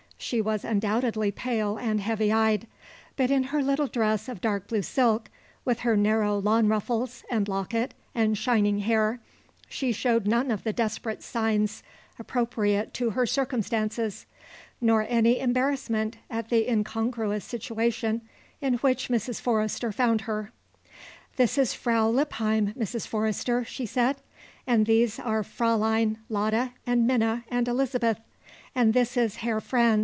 She was undoubtedly pale and heavy eyed; but in her little dress of dark blue silk, with her narrow lawn ruffles and locket and shining hair, she showed none of the desperate signs appropriate to her circumstances nor any embarrassment at the incongruous situation in which Mrs. Forrester found her. "This is Frau Lippheim, Mrs. Forrester," she said. "And these are Fräulein Lotta and Minna and Elizabeth, and this is Herr Franz.